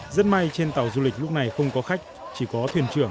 rất may trên tàu du lịch lúc này không có khách